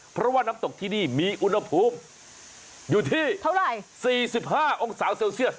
เพราะว่าน้ำตกที่นี่มีอุณหภูมิอยู่ที่เท่าไหร่๔๕องศาเซลเซียส